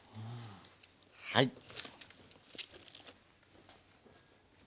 はい。